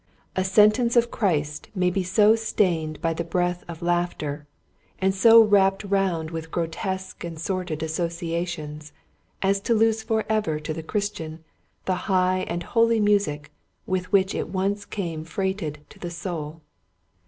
A sentence of Christ may be so stained by the breath of laugh ter and so wrapped round with grotesque and sordid associations as to lose forever to the Christian the high and holy music with which it once came freighted to the soul.